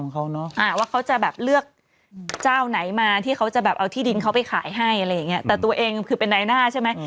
ว่าเขาจะเลือกเจ้าไหนมาที่เขาจะเอาที่ดินเขาไปขายให้แต่ตัวเองคือเป็นนายน่าใช่ไหม